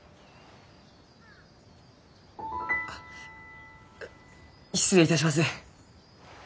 あ失礼いたします。